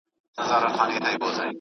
هومر په خپلو کيسو کي څه ويلي دي؟